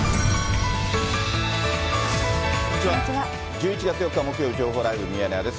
１１月４日木曜日、情報ライブミヤネ屋です。